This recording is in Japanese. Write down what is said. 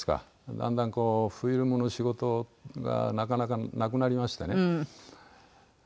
だんだんフィルムの仕事がなかなかなくなりましてね